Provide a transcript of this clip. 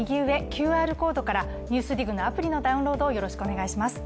ＱＲコードから「ＮＥＷＳＤＩＧ」のアプリのダウンロードをよろしくお願いします。